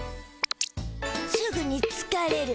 すぐにつかれる。